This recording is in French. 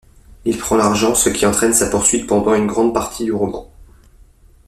Il prend l'argent ce qui entraîne sa poursuite pendant une grande partie du roman.